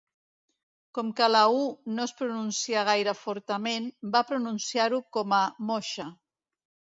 Com que la "u" no es pronuncia gaire fortament, va pronunciar-ho com a "Moxa".